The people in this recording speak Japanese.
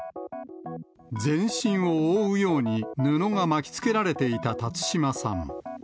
全身を覆うように布が巻きつけられていた辰島さん。